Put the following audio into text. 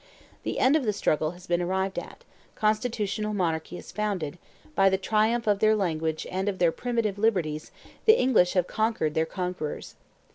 The end of the struggle has been arrived at; constitutional monarchy is founded; by the triumph of their language and of their primitive liberties the English have conquered their conquerors.